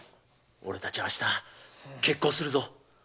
俺たちは明日決行するぞ。